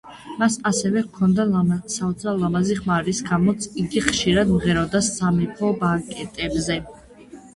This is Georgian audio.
მას ასევე ჰქონდა საოცრად ლამაზი ხმა, რის გამოც იგი ხშირად მღეროდა სამეფო ბანკეტებზე.